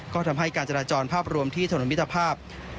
ก็ทำให้การจราจรภาพรวมที่ถนนมิตรภาพ